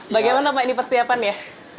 bagaimana pak ini persiapan ya